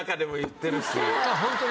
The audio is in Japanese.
ホントに？